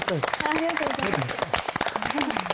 ありがとうございます